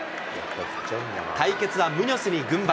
対決はムニョスに軍配。